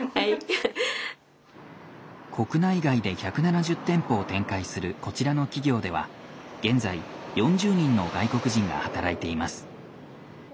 国内外で１７０店舗を展開するこちらの企業では現在４０人の外国人が働いています。